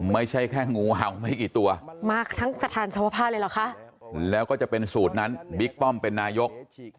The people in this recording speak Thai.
ไม่ใช่แค่งูเห่าไม่กี่ตัวมาทั้งสถานสวภาเลยเหรอคะแล้วก็จะเป็นสูตรนั้นบิ๊กป้อมเป็นนายก